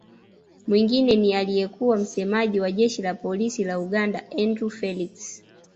Mwingine ni aliyekuwa msemaji wa Jeshi la Polisi la Uganda Andrew Felix